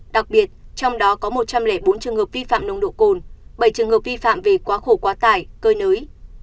đặc biệt trong đó có một trăm linh bốn trường hợp vi phạm nồng độ cồn bảy trường hợp vi phạm về quá khổ quá tải cơi nới